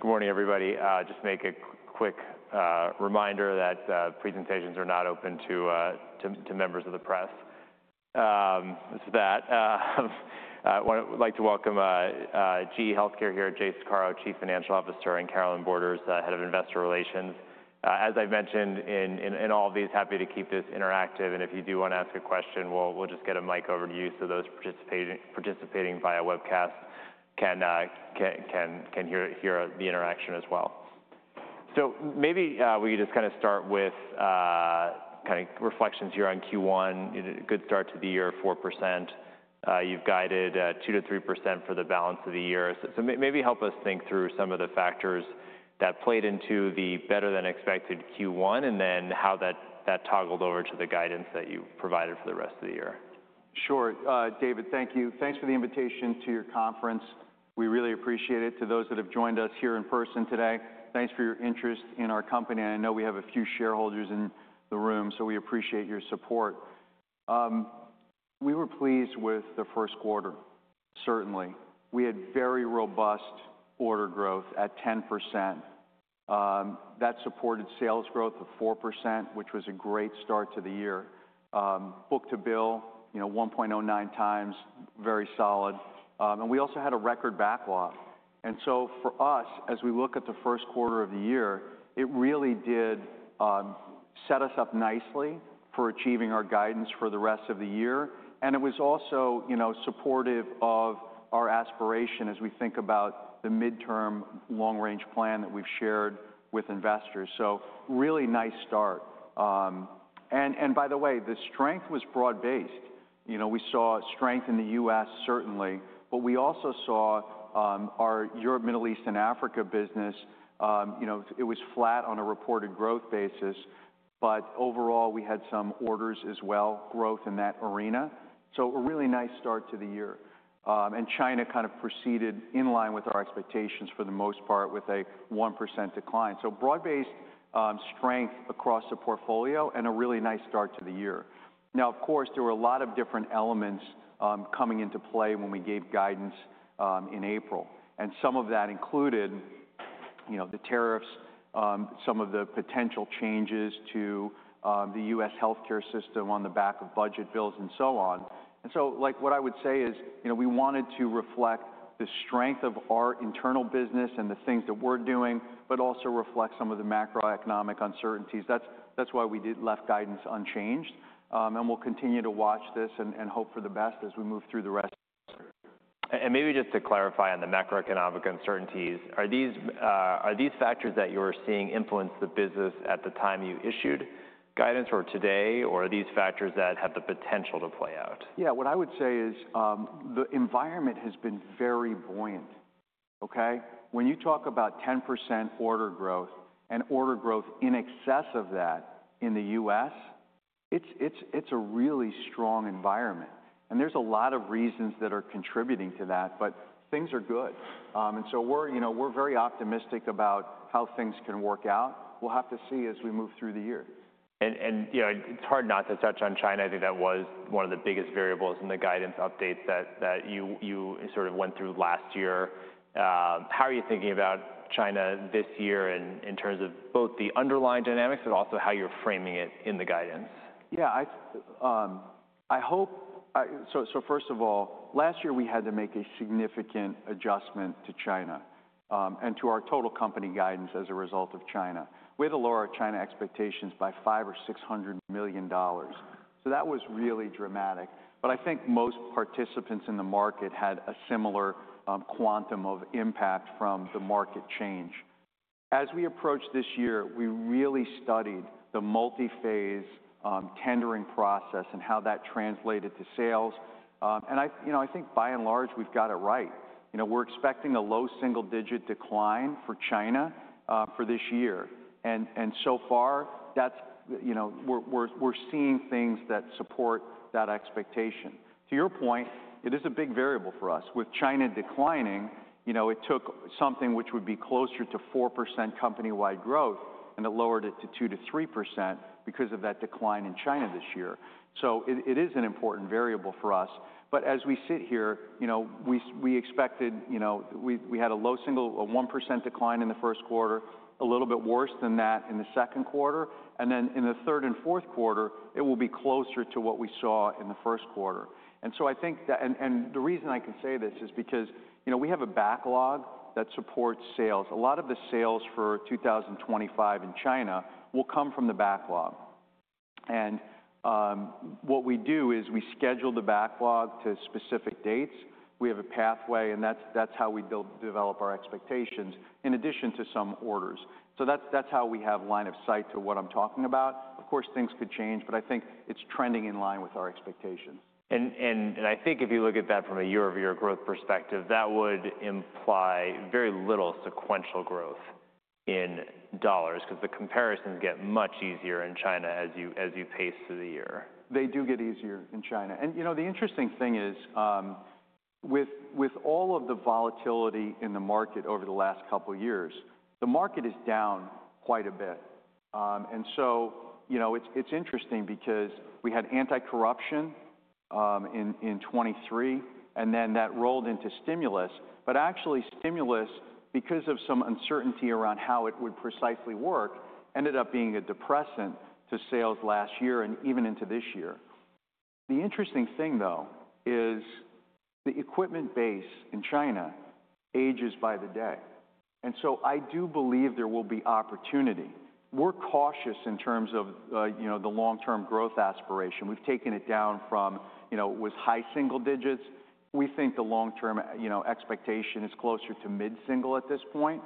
Good morning, everybody. Just make a quick reminder that presentations are not open to members of the press. With that, I'd like to welcome GE HealthCare here, Jay Saccaro, Chief Financial Officer, and Carolynne Borders, Head of Investor Relations. As I've mentioned in all of these, happy to keep this interactive. If you do want to ask a question, we'll just get a mic over to you so those participating via webcast can hear the interaction as well. Maybe we could just kind of start with kind of reflections here on Q1. A good start to the year, 4%. You've guided 2%-3% for the balance of the year. Maybe help us think through some of the factors that played into the better-than-expected Q1, and then how that toggled over to the guidance that you provided for the rest of the year. Sure. David, thank you. Thanks for the invitation to your conference. We really appreciate it. To those that have joined us here in person today, thanks for your interest in our company. I know we have a few shareholders in the room, so we appreciate your support. We were pleased with the first quarter, certainly. We had very robust order growth at 10%. That supported sales growth of 4%, which was a great start to the year. Book-to-bill, 1.09x, very solid. We also had a record backlog. For us, as we look at the first quarter of the year, it really did set us up nicely for achieving our guidance for the rest of the year. It was also supportive of our aspiration as we think about the midterm long-range plan that we've shared with investors. Really nice start. By the way, the strength was broad-based. We saw strength in the U.S., certainly. We also saw our Europe, Middle East, and Africa business. It was flat on a reported growth basis. Overall, we had some orders as well, growth in that arena. A really nice start to the year. China kind of proceeded in line with our expectations for the most part with a 1% decline. Broad-based strength across the portfolio and a really nice start to the year. Of course, there were a lot of different elements coming into play when we gave guidance in April. Some of that included the tariffs, some of the potential changes to the U.S. healthcare system on the back of budget bills and so on. What I would say is we wanted to reflect the strength of our internal business and the things that we're doing, but also reflect some of the macroeconomic uncertainties. That's why we left guidance unchanged. We'll continue to watch this and hope for the best as we move through the rest of the year. Maybe just to clarify on the macroeconomic uncertainties, are these factors that you're seeing influence the business at the time you issued guidance or today, or are these factors that have the potential to play out? Yeah, what I would say is the environment has been very buoyant. When you talk about 10% order growth and order growth in excess of that in the U.S., it's a really strong environment. There is a lot of reasons that are contributing to that, but things are good. We are very optimistic about how things can work out. We will have to see as we move through the year. It is hard not to touch on China. I think that was one of the biggest variables in the guidance updates that you sort of went through last year. How are you thinking about China this year in terms of both the underlying dynamics, but also how you are framing it in the guidance? Yeah, I hope so. First of all, last year we had to make a significant adjustment to China and to our total company guidance as a result of China. We had to lower our China expectations by $500 million or $600 million. That was really dramatic. I think most participants in the market had a similar quantum of impact from the market change. As we approached this year, we really studied the multi-phase tendering process and how that translated to sales. I think by and large, we've got it right. We're expecting a low single-digit decline for China for this year. So far, we're seeing things that support that expectation. To your point, it is a big variable for us. With China declining, it took something which would be closer to 4% company-wide growth, and it lowered it to 2%-3% because of that decline in China this year. It is an important variable for us. But as we sit here, we expected we had a low single 1% decline in the first quarter, a little bit worse than that in the second quarter. In the third and fourth quarter, it will be closer to what we saw in the first quarter. I think that, and the reason I can say this is because we have a backlog that supports sales. A lot of the sales for 2025 in China will come from the backlog. What we do is we schedule the backlog to specific dates. We have a pathway, and that's how we develop our expectations in addition to some orders. That's how we have line of sight to what I'm talking about. Of course, things could change, but I think it's trending in line with our expectations. I think if you look at that from a year-over-year growth perspective, that would imply very little sequential growth in dollars because the comparisons get much easier in China as you pace through the year. They do get easier in China. The interesting thing is with all of the volatility in the market over the last couple of years, the market is down quite a bit. It is interesting because we had anti-corruption in 2023, and that rolled into stimulus. Actually, stimulus, because of some uncertainty around how it would precisely work, ended up being a depressant to sales last year and even into this year. The interesting thing, though, is the equipment base in China ages by the day. I do believe there will be opportunity. We are cautious in terms of the long-term growth aspiration. We have taken it down from it was high single digits. We think the long-term expectation is closer to mid-single at this point.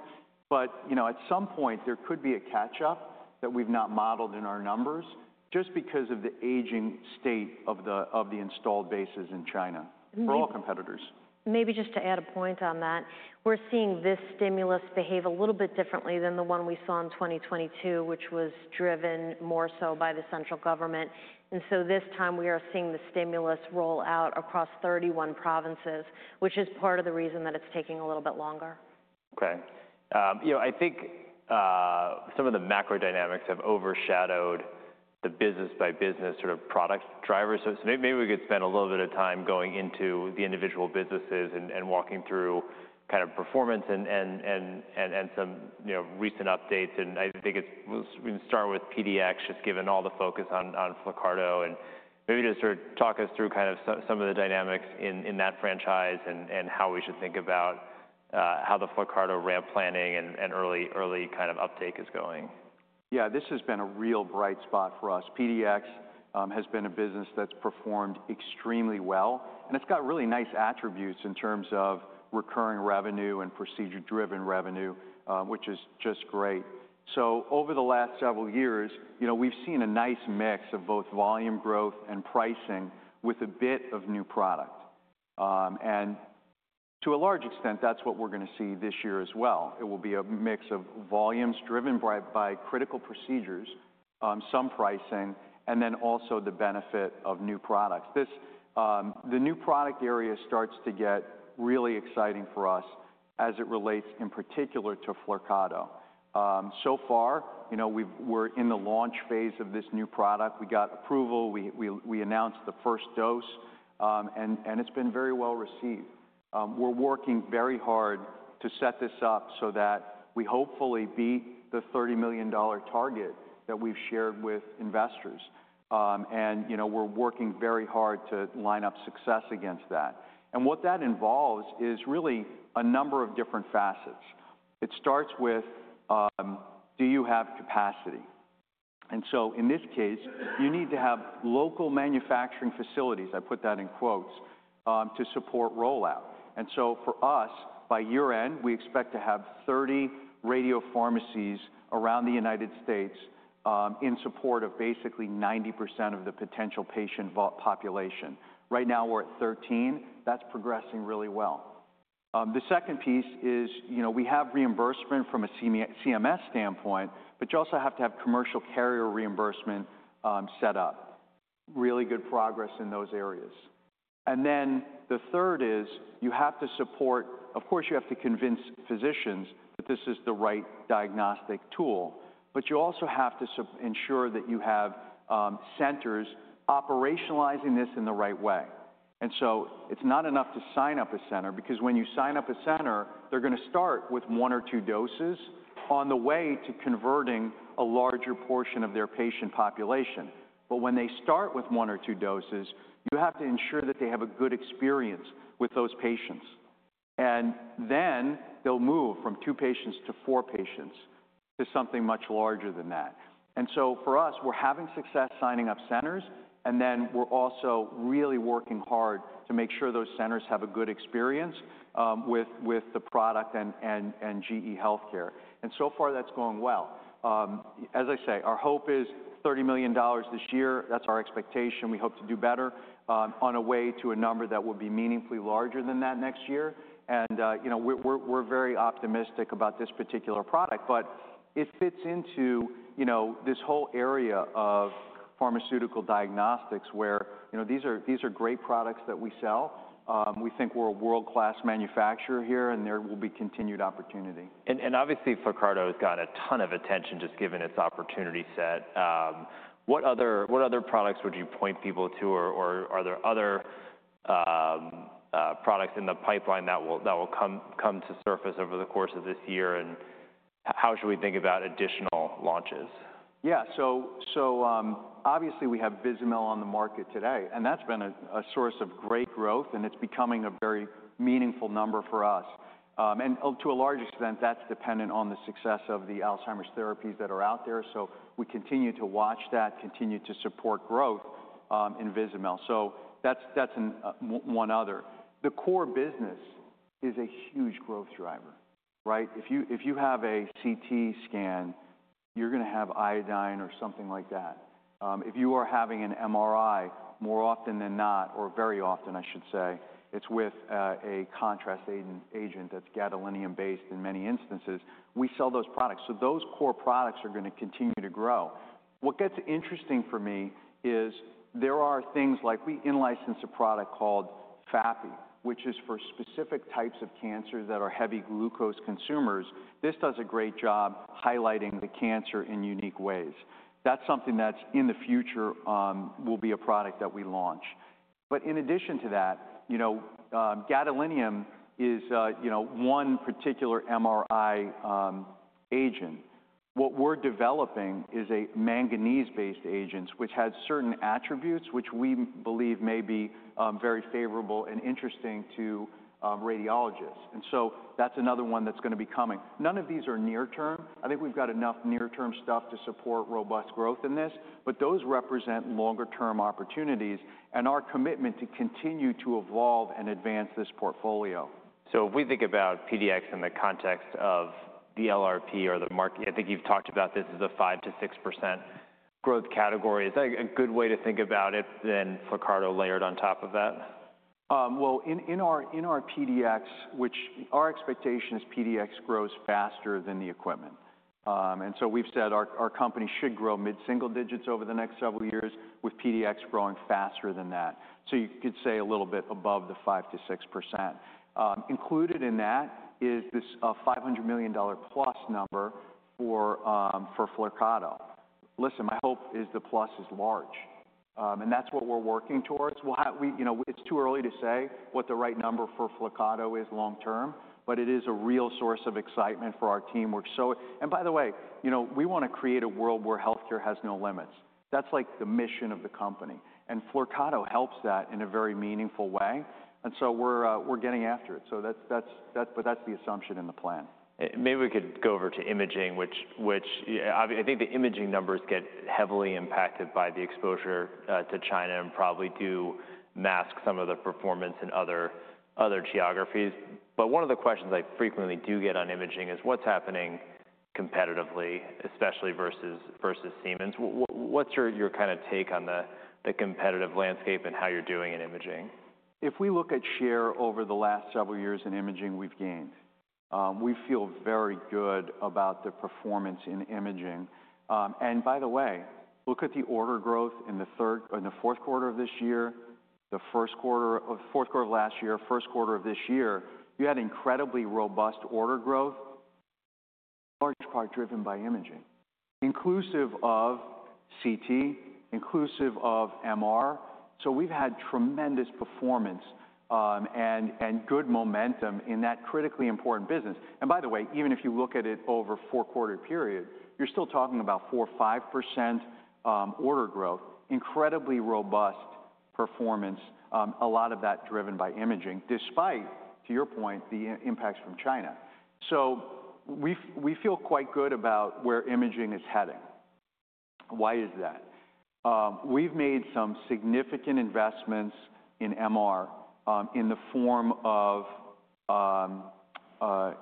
At some point, there could be a catch-up that we've not modeled in our numbers just because of the aging state of the installed bases in China. We're all competitors. Maybe just to add a point on that, we're seeing this stimulus behave a little bit differently than the one we saw in 2022, which was driven more so by the central government. This time, we are seeing the stimulus roll out across 31 provinces, which is part of the reason that it's taking a little bit longer. OK. I think some of the macro dynamics have overshadowed the business-by-business sort of product drivers. Maybe we could spend a little bit of time going into the individual businesses and walking through kind of performance and some recent updates. I think we can start with PDX, just given all the focus on Flyrcado. Maybe just sort of talk us through kind of some of the dynamics in that franchise and how we should think about how the Flyrcado ramp planning and early kind of uptake is going. Yeah, this has been a real bright spot for us. PDX has been a business that's performed extremely well. And it's got really nice attributes in terms of recurring revenue and procedure-driven revenue, which is just great. Over the last several years, we've seen a nice mix of both volume growth and pricing with a bit of new product. To a large extent, that's what we're going to see this year as well. It will be a mix of volumes driven by critical procedures, some pricing, and then also the benefit of new products. The new product area starts to get really exciting for us as it relates in particular to Flyrcado. So far, we're in the launch phase of this new product. We got approval. We announced the first dose. It's been very well received. We're working very hard to set this up so that we hopefully beat the $30 million target that we've shared with investors. We're working very hard to line up success against that. What that involves is really a number of different facets. It starts with, do you have capacity? In this case, you need to have local manufacturing facilities, I put that in quotes, to support rollout. For us, by year-end, we expect to have 30 radiopharmacies around the United States in support of basically 90% of the potential patient population. Right now, we're at 13. That's progressing really well. The second piece is we have reimbursement from a CMS standpoint, but you also have to have commercial carrier reimbursement set up. Really good progress in those areas. The third is you have to support, of course, you have to convince physicians that this is the right diagnostic tool. You also have to ensure that you have centers operationalizing this in the right way. It is not enough to sign up a center because when you sign up a center, they are going to start with one or two doses on the way to converting a larger portion of their patient population. When they start with one or two doses, you have to ensure that they have a good experience with those patients. They will move from two patients to four patients to something much larger than that. For us, we are having success signing up centers. We are also really working hard to make sure those centers have a good experience with the product and GE HealthCare. So far, that's going well. As I say, our hope is $30 million this year. That's our expectation. We hope to do better on a way to a number that will be meaningfully larger than that next year. We're very optimistic about this particular product. It fits into this whole area of pharmaceutical diagnostics where these are great products that we sell. We think we're a world-class manufacturer here, and there will be continued opportunity. Flyrcado has gotten a ton of attention just given its opportunity set. What other products would you point people to, or are there other products in the pipeline that will come to surface over the course of this year? How should we think about additional launches? Yeah, so obviously, we have Vizamyl on the market today. And that's been a source of great growth. And it's becoming a very meaningful number for us. And to a large extent, that's dependent on the success of the Alzheimer's therapies that are out there. We continue to watch that, continue to support growth in Vizamyl. That's one other. The core business is a huge growth driver. If you have a CT scan, you're going to have iodine or something like that. If you are having an MRI, more often than not, or very often, I should say, it's with a contrast agent that's gadolinium-based in many instances. We sell those products. Those core products are going to continue to grow. What gets interesting for me is there are things like we in-license a product called FAPI, which is for specific types of cancers that are heavy glucose consumers. This does a great job highlighting the cancer in unique ways. That is something that in the future will be a product that we launch. In addition to that, gadolinium is one particular MRI agent. What we are developing is a manganese-based agent, which has certain attributes, which we believe may be very favorable and interesting to radiologists. That is another one that is going to be coming. None of these are near term. I think we have got enough near-term stuff to support robust growth in this. Those represent longer-term opportunities and our commitment to continue to evolve and advance this portfolio. If we think about PDX in the context of the LRP or the market, I think you've talked about this as a 5%-6% growth category. Is that a good way to think about it than Flyrcado layered on top of that? In our PDX, which our expectation is PDX grows faster than the equipment. We have said our company should grow mid-single digits over the next several years with PDX growing faster than that. You could say a little bit above the 5%-6%. Included in that is this $500 million+ number for Flyrcado. Listen, my hope is the plus is large. That is what we are working towards. It is too early to say what the right number for Flyrcado is long term, but it is a real source of excitement for our team. By the way, we want to create a world where health care has no limits. That is like the mission of the company. Flyrcado helps that in a very meaningful way. We are getting after it. That is the assumption in the plan. Maybe we could go over to imaging, which I think the imaging numbers get heavily impacted by the exposure to China and probably do mask some of the performance in other geographies. One of the questions I frequently do get on imaging is what's happening competitively, especially versus Siemens? What's your kind of take on the competitive landscape and how you're doing in imaging? If we look at share over the last several years in imaging, we've gained. We feel very good about the performance in imaging. By the way, look at the order growth in the fourth quarter of this year, the fourth quarter of last year, first quarter of this year. You had incredibly robust order growth, large part driven by imaging, inclusive of CT, inclusive of MR. We've had tremendous performance and good momentum in that critically important business. By the way, even if you look at it over a four-quarter period, you're still talking about 4%-5% order growth, incredibly robust performance, a lot of that driven by imaging, despite, to your point, the impacts from China. We feel quite good about where imaging is heading. Why is that? We've made some significant investments in MR in the form of AI.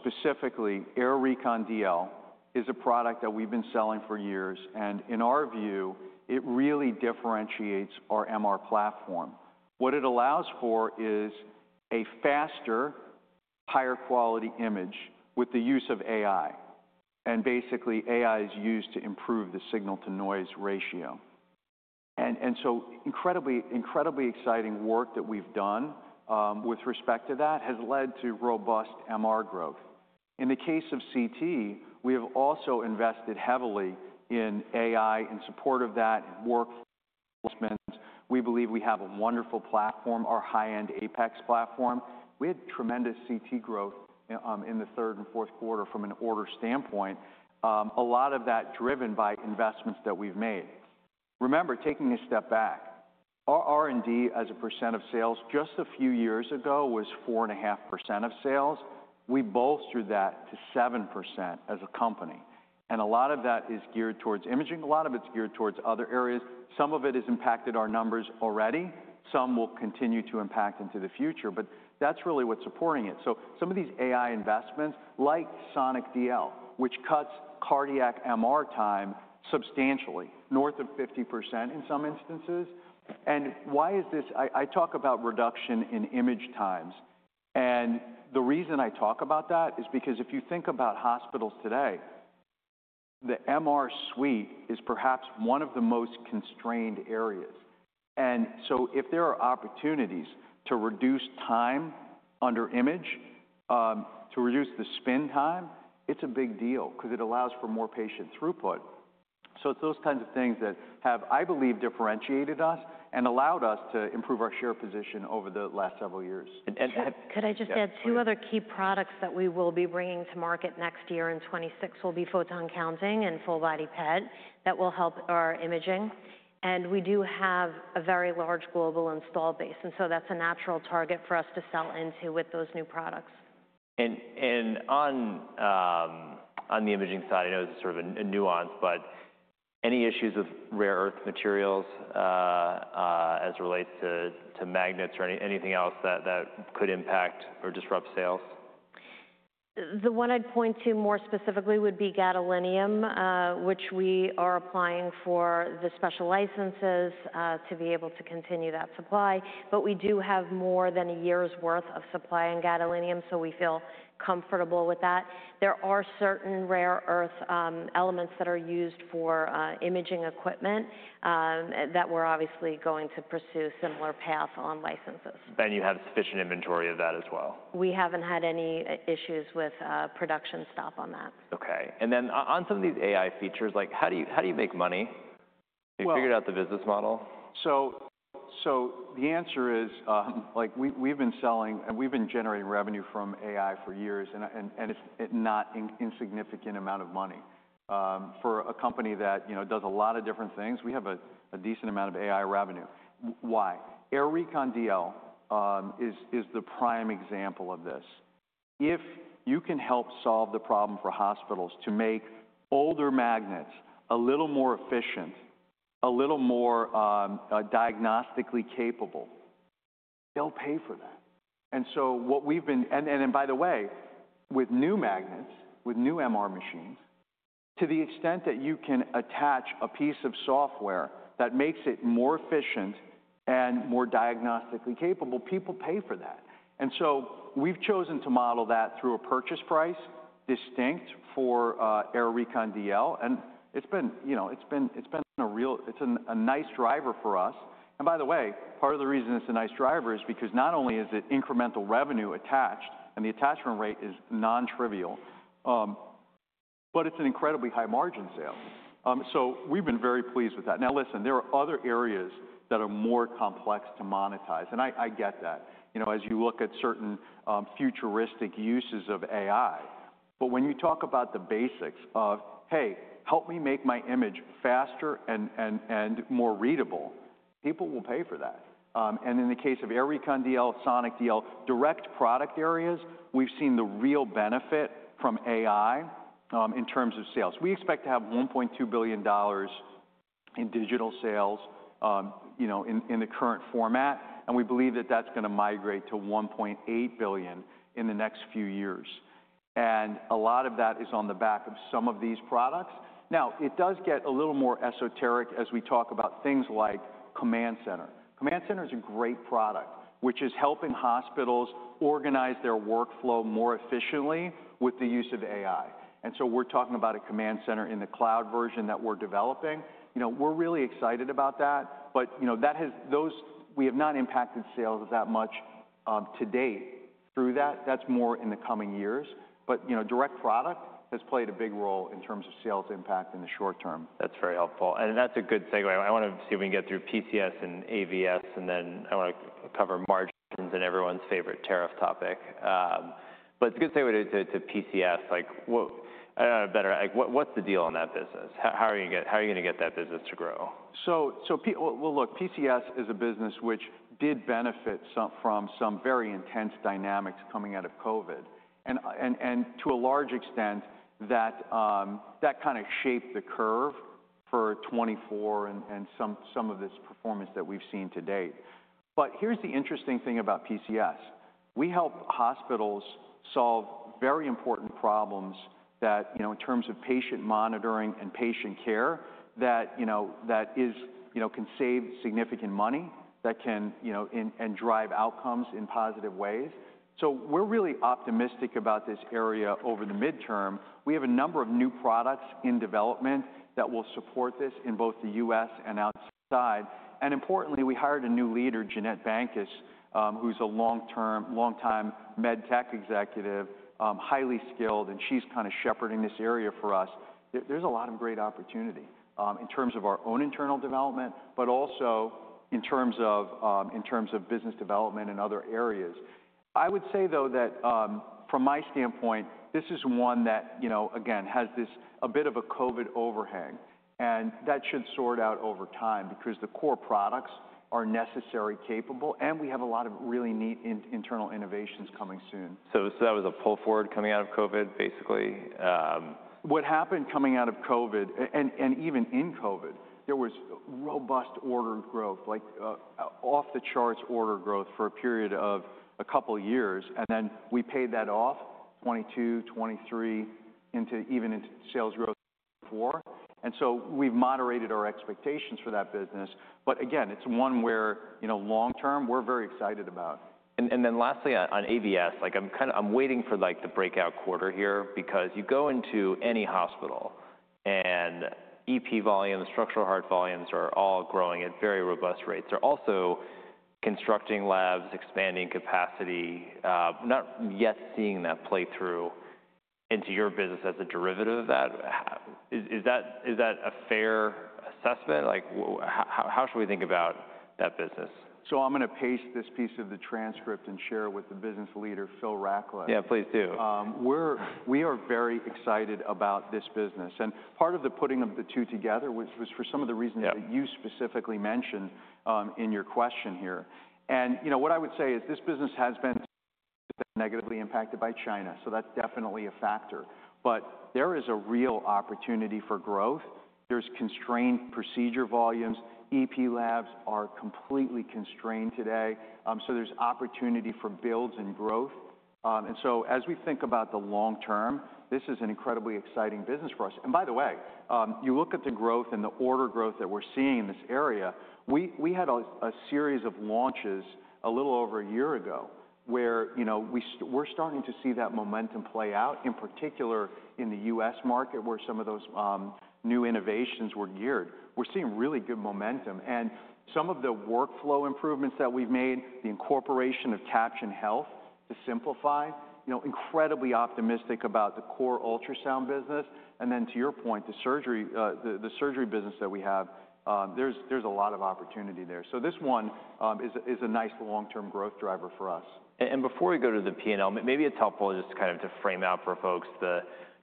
Specifically, AIR Recon DL is a product that we've been selling for years. In our view, it really differentiates our MR platform. What it allows for is a faster, higher quality image with the use of AI. Basically, AI is used to improve the signal-to-noise ratio. Incredibly exciting work that we've done with respect to that has led to robust MR growth. In the case of CT, we have also invested heavily in AI in support of that work. We believe we have a wonderful platform, our high-end Apex platform. We had tremendous CT growth in the third and fourth quarter from an order standpoint, a lot of that driven by investments that we've made. Remember, taking a step back, our R&D as a percent of sales just a few years ago was 4.5% of sales. We bolstered that to 7% as a company. A lot of that is geared towards imaging. A lot of it's geared towards other areas. Some of it has impacted our numbers already. Some will continue to impact into the future. That's really what's supporting it. Some of these AI investments, like Sonic DL, which cuts cardiac MR time substantially, north of 50% in some instances. Why is this? I talk about reduction in image times. The reason I talk about that is because if you think about hospitals today, the MR suite is perhaps one of the most constrained areas. If there are opportunities to reduce time under image, to reduce the spin time, it's a big deal because it allows for more patient throughput. It's those kinds of things that have, I believe, differentiated us and allowed us to improve our share position over the last several years. Could I just add two other key products that we will be bringing to market next year in 2026 will be photon counting and full-body PET that will help our imaging. We do have a very large global install base. That is a natural target for us to sell into with those new products. On the imaging side, I know this is sort of a nuance, but any issues with rare earth materials as it relates to magnets or anything else that could impact or disrupt sales? The one I'd point to more specifically would be gadolinium, which we are applying for the special licenses to be able to continue that supply. We do have more than a year's worth of supply in gadolinium, so we feel comfortable with that. There are certain rare earth elements that are used for imaging equipment that we're obviously going to pursue a similar path on licenses. You have sufficient inventory of that as well. We haven't had any issues with production stop on that. OK. On some of these AI features, how do you make money? You figured out the business model? The answer is we've been selling and we've been generating revenue from AI for years. It's not an insignificant amount of money. For a company that does a lot of different things, we have a decent amount of AI revenue. Why? AIR Recon DL is the prime example of this. If you can help solve the problem for hospitals to make older magnets a little more efficient, a little more diagnostically capable, they'll pay for that. By the way, with new magnets, with new MR machines, to the extent that you can attach a piece of software that makes it more efficient and more diagnostically capable, people pay for that. We've chosen to model that through a purchase price distinct for AIR Recon DL. It's been a nice driver for us. By the way, part of the reason it's a nice driver is because not only is it incremental revenue attached, and the attachment rate is non-trivial, but it's an incredibly high margin sale. We've been very pleased with that. Now, listen, there are other areas that are more complex to monetize. I get that as you look at certain futuristic uses of AI. When you talk about the basics of, hey, help me make my image faster and more readable, people will pay for that. In the case of AIR Recon DL, Sonic DL, direct product areas, we've seen the real benefit from AI in terms of sales. We expect to have $1.2 billion in digital sales in the current format. We believe that that's going to migrate to $1.8 billion in the next few years. A lot of that is on the back of some of these products. It does get a little more esoteric as we talk about things like Command Center. Command Center is a great product, which is helping hospitals organize their workflow more efficiently with the use of AI. We are talking about a Command Center in the cloud version that we are developing. We are really excited about that. We have not impacted sales that much to date through that. That is more in the coming years. Direct product has played a big role in terms of sales impact in the short term. That's very helpful. That's a good segue. I want to see if we can get through PCS and AVS. I want to cover margins and everyone's favorite tariff topic. It's a good segue to PCS. I do not know better. What's the deal on that business? How are you going to get that business to grow? PCS is a business which did benefit from some very intense dynamics coming out of COVID. To a large extent, that kind of shaped the curve for 2024 and some of this performance that we've seen to date. Here's the interesting thing about PCS. We help hospitals solve very important problems in terms of patient monitoring and patient care that can save significant money and drive outcomes in positive ways. We are really optimistic about this area over the midterm. We have a number of new products in development that will support this in both the U.S. and outside. Importantly, we hired a new leader, Jeannette Bankes, who's a long-time med tech executive, highly skilled. She's kind of shepherding this area for us. There's a lot of great opportunity in terms of our own internal development, but also in terms of business development and other areas. I would say, though, that from my standpoint, this is one that, again, has this a bit of a COVID overhang. That should sort out over time because the core products are necessary, capable, and we have a lot of really neat internal innovations coming soon. That was a pull forward coming out of COVID, basically? What happened coming out of COVID and even in COVID, there was robust order growth, like off-the-charts order growth for a period of a couple of years. Then we paid that off 2022, 2023, even into sales growth 2024. We have moderated our expectations for that business. Again, it's one where long term, we're very excited about. Lastly, on AVS, I'm waiting for the breakout quarter here because you go into any hospital and EP volumes, structural heart volumes are all growing at very robust rates. They're also constructing labs, expanding capacity, not yet seeing that play through into your business as a derivative of that. Is that a fair assessment? How should we think about that business? I'm going to paste this piece of the transcript and share it with the business leader, Phil Rackliffe. Yeah, please do. We are very excited about this business. Part of the putting of the two together was for some of the reasons that you specifically mentioned in your question here. What I would say is this business has been negatively impacted by China. That is definitely a factor. There is a real opportunity for growth. There are constrained procedure volumes. EP labs are completely constrained today. There is opportunity for builds and growth. As we think about the long term, this is an incredibly exciting business for us. By the way, you look at the growth and the order growth that we are seeing in this area, we had a series of launches a little over a year ago where we are starting to see that momentum play out, in particular in the U.S. market where some of those new innovations were geared. We are seeing really good momentum. Some of the workflow improvements that we've made, the incorporation of Caption Health to simplify, incredibly optimistic about the core ultrasound business. To your point, the surgery business that we have, there's a lot of opportunity there. This one is a nice long-term growth driver for us. Before we go to the P&L, maybe it's helpful just kind of to frame out for folks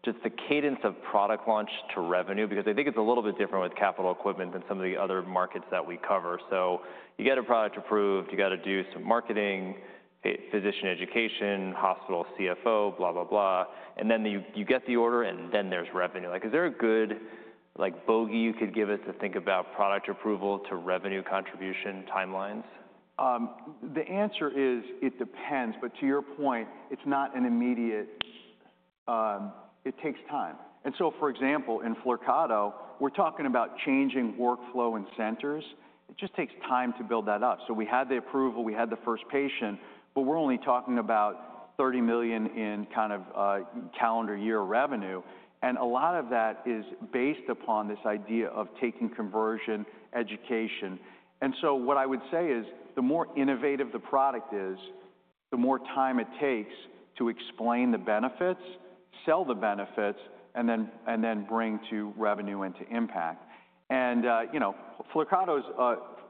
just the cadence of product launch to revenue because I think it's a little bit different with capital equipment than some of the other markets that we cover. You get a product approved, you got to do some marketing, physician education, hospital CFO, blah, blah, blah. Then you get the order, and then there's revenue. Is there a good bogey you could give us to think about product approval to revenue contribution timelines? The answer is it depends. To your point, it's not an immediate, it takes time. For example, in Flyrcado, we're talking about changing workflow in centers. It just takes time to build that up. We had the approval, we had the first patient, but we're only talking about $30 million in kind of calendar year revenue. A lot of that is based upon this idea of taking conversion education. What I would say is the more innovative the product is, the more time it takes to explain the benefits, sell the benefits, and then bring to revenue and to impact. Flyrcado is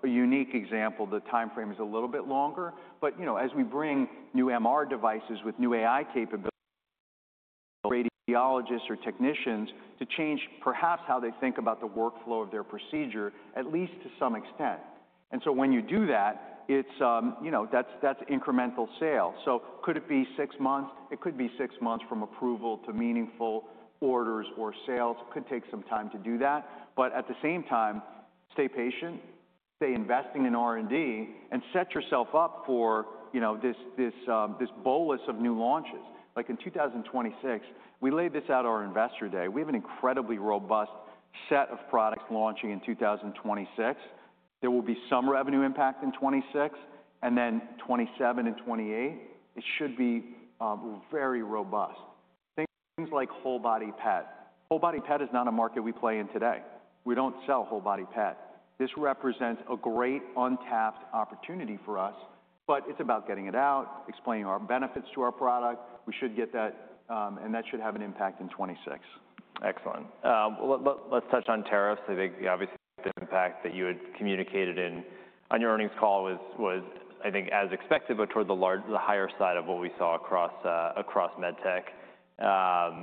a unique example. The time frame is a little bit longer. As we bring new MR devices with new AI capabilities, radiologists or technicians change perhaps how they think about the workflow of their procedure, at least to some extent. When you do that, that's incremental sales. Could it be six months? It could be six months from approval to meaningful orders or sales. It could take some time to do that. At the same time, stay patient, stay investing in R&D, and set yourself up for this bolus of new launches. Like in 2026, we laid this out at our investor day. We have an incredibly robust set of products launching in 2026. There will be some revenue impact in 2026. In 2027 and 2028, it should be very robust. Things like whole-body PET. Whole-body PET is not a market we play in today. We do not sell whole-body PET. This represents a great untapped opportunity for us. It is about getting it out, explaining our benefits to our product. We should get that, and that should have an impact in 2026. Excellent. Let's touch on tariffs. I think obviously the impact that you had communicated on your earnings call was, I think, as expected, but toward the higher side of what we saw across med tech. I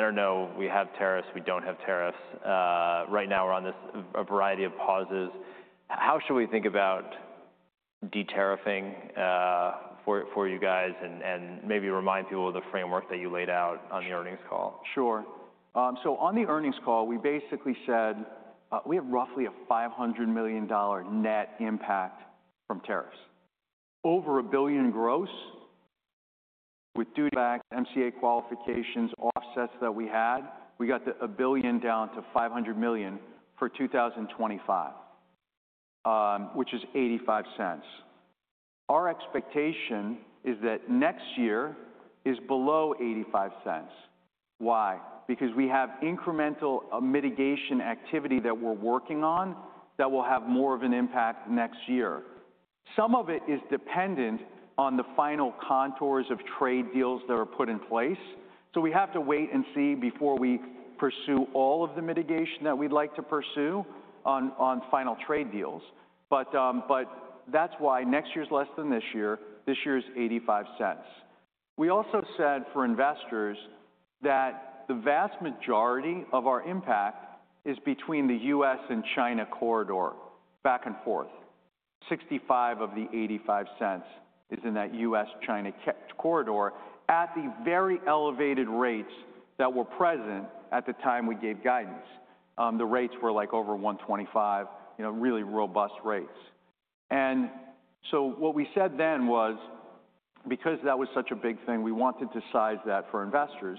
don't know. We have tariffs. We don't have tariffs. Right now, we're on this variety of pauses. How should we think about detariffing for you guys and maybe remind people of the framework that you laid out on the earnings call? Sure. On the earnings call, we basically said we have roughly a $500 million net impact from tariffs. Over a billion gross due to back MCA qualifications offsets that we had, we got a billion down to $500 million for 2025, which is $0.85. Our expectation is that next year is below $0.85. Why? Because we have incremental mitigation activity that we're working on that will have more of an impact next year. Some of it is dependent on the final contours of trade deals that are put in place. We have to wait and see before we pursue all of the mitigation that we'd like to pursue on final trade deals. That is why next year is less than this year. This year is $0.85. We also said for investors that the vast majority of our impact is between the U.S. and China corridor back and forth. $0.65 of the $0.85 is in that U.S.-China corridor at the very elevated rates that were present at the time we gave guidance. The rates were like over $1.25, really robust rates. What we said then was because that was such a big thing, we wanted to size that for investors.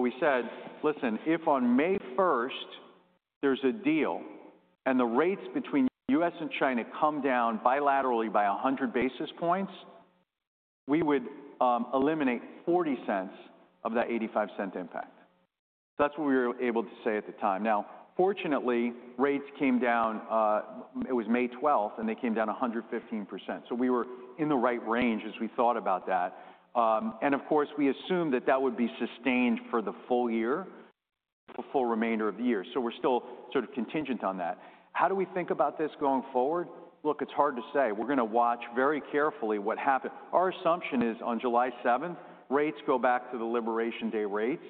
We said, listen, if on May 1st there is a deal and the rates between U.S. and China come down bilaterally by 100 basis points, we would eliminate $0.40 of that $0.85 impact. That is what we were able to say at the time. Now, fortunately, rates came down. It was May 12th, and they came down 115%. We were in the right range as we thought about that. Of course, we assumed that would be sustained for the full year, the full remainder of the year. We are still sort of contingent on that. How do we think about this going forward? Look, it's hard to say. We're going to watch very carefully what happens. Our assumption is on July 7th, rates go back to the Liberation Day rates.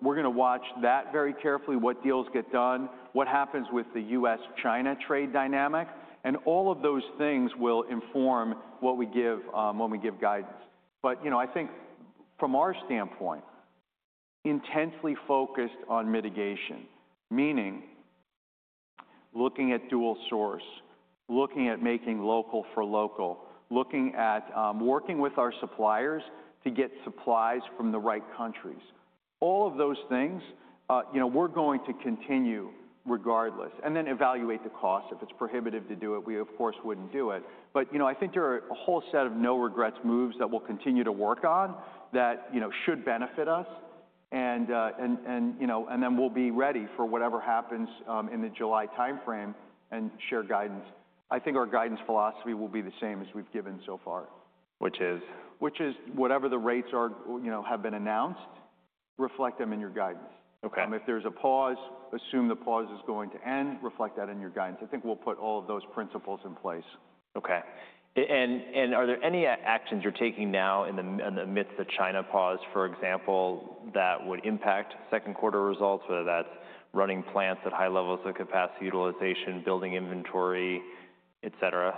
We're going to watch that very carefully, what deals get done, what happens with the U.S.-China trade dynamic. All of those things will inform what we give when we give guidance. I think from our standpoint, intensely focused on mitigation, meaning looking at dual source, looking at making local for local, looking at working with our suppliers to get supplies from the right countries. All of those things, we're going to continue regardless. Then evaluate the cost. If it's prohibitive to do it, we, of course, wouldn't do it. I think there are a whole set of no regrets moves that we'll continue to work on that should benefit us. Then we'll be ready for whatever happens in the July time frame and share guidance. I think our guidance philosophy will be the same as we've given so far. Which is? Which is whatever the rates have been announced, reflect them in your guidance. If there's a pause, assume the pause is going to end, reflect that in your guidance. I think we'll put all of those principles in place. OK. Are there any actions you're taking now in the midst of the China pause, for example, that would impact second quarter results, whether that's running plants at high levels of capacity utilization, building inventory, et cetera?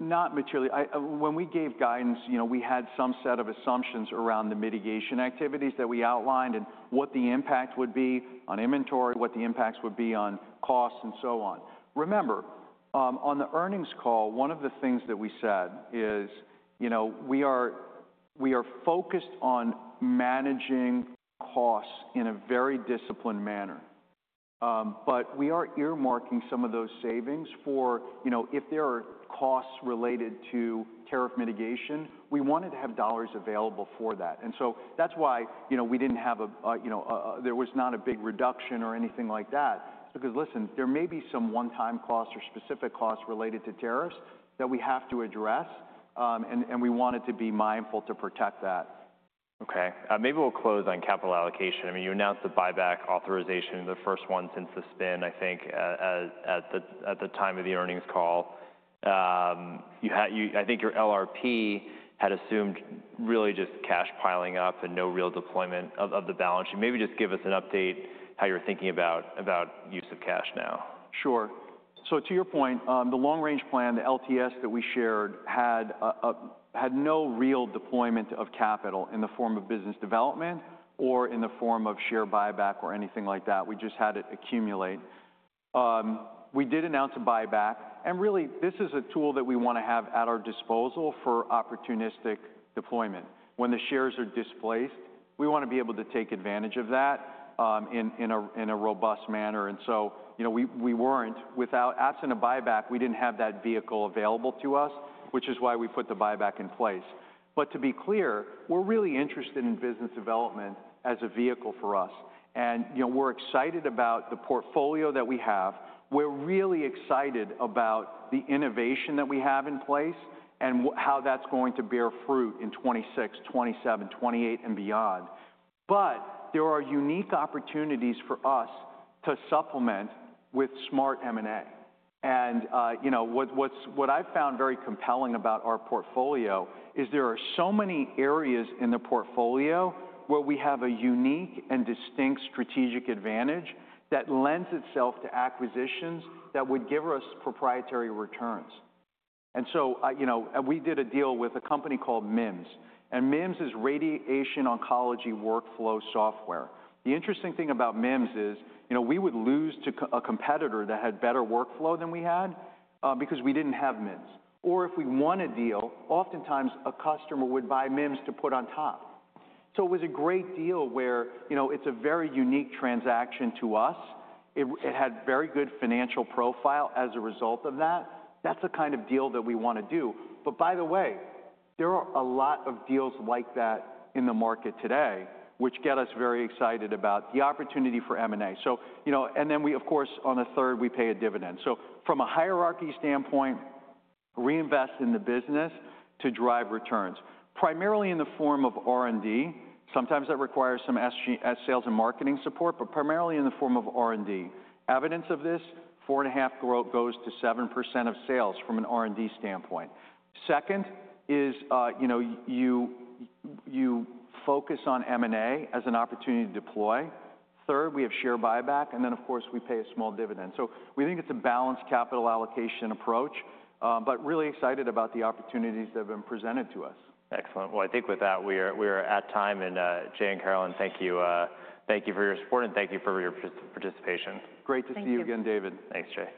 Not materially. When we gave guidance, we had some set of assumptions around the mitigation activities that we outlined and what the impact would be on inventory, what the impacts would be on costs, and so on. Remember, on the earnings call, one of the things that we said is we are focused on managing costs in a very disciplined manner. We are earmarking some of those savings for if there are costs related to tariff mitigation, we wanted to have dollars available for that. That is why we did not have a there was not a big reduction or anything like that. Because, listen, there may be some one-time costs or specific costs related to tariffs that we have to address. We wanted to be mindful to protect that. OK. Maybe we'll close on capital allocation. I mean, you announced the buyback authorization, the first one since the spin, I think, at the time of the earnings call. I think your LRP had assumed really just cash piling up and no real deployment of the balance sheet. Maybe just give us an update how you're thinking about use of cash now. Sure. To your point, the long-range plan, the LTS that we shared had no real deployment of capital in the form of business development or in the form of share buyback or anything like that. We just had it accumulate. We did announce a buyback. Really, this is a tool that we want to have at our disposal for opportunistic deployment. When the shares are displaced, we want to be able to take advantage of that in a robust manner. We were not, without us in a buyback, we did not have that vehicle available to us, which is why we put the buyback in place. To be clear, we are really interested in business development as a vehicle for us. We are excited about the portfolio that we have. We're really excited about the innovation that we have in place and how that's going to bear fruit in 2026, 2027, 2028, and beyond. There are unique opportunities for us to supplement with smart M&A. What I've found very compelling about our portfolio is there are so many areas in the portfolio where we have a unique and distinct strategic advantage that lends itself to acquisitions that would give us proprietary returns. We did a deal with a company called MIMS. MIMS is Radiation Oncology Workflow Software. The interesting thing about MIMS is we would lose to a competitor that had better workflow than we had because we didn't have MIMS. Or if we won a deal, oftentimes a customer would buy MIMS to put on top. It was a great deal where it's a very unique transaction to us. It had very good financial profile as a result of that. That is the kind of deal that we want to do. By the way, there are a lot of deals like that in the market today, which get us very excited about the opportunity for M&A. We, of course, on a third, we pay a dividend. From a hierarchy standpoint, reinvest in the business to drive returns, primarily in the form of R&D. Sometimes that requires some sales and marketing support, but primarily in the form of R&D. Evidence of this, four and a half growth goes to 7% of sales from an R&D standpoint. Second is you focus on M&A as an opportunity to deploy. Third, we have share buyback. Of course, we pay a small dividend. We think it's a balanced capital allocation approach, but really excited about the opportunities that have been presented to us. Excellent. I think with that, we are at time. Jay and Carolynne, thank you. Thank you for your support and thank you for your participation. Great to see you again, David. Thanks, Jay.